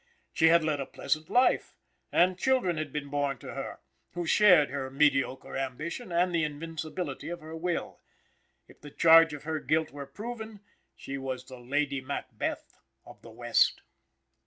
She had led a pleasant life, and children had been born to her who shared her mediocre ambition and the invincibility of her will. If the charge of her guilt were proven, she was the Lady Macbeth of the west.